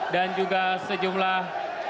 dan juga sejumlah